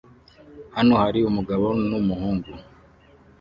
Hano hari umugabo n'umuhungu